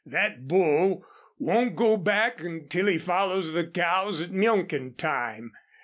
"That bull won't go back until he follows the cows at milking time.